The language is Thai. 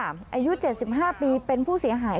อายุ๗๕ปีเป็นผู้เสียหาย